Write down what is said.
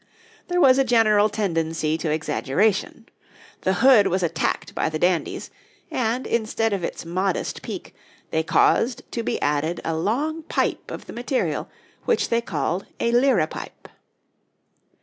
There was a general tendency to exaggeration. The hood was attacked by the dandies, and, instead of its modest peak, they caused to be added a long pipe of the material, which they called a 'liripipe.'